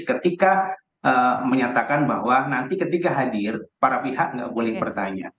ketika menyatakan bahwa nanti ketika hadir para pihak nggak boleh bertanya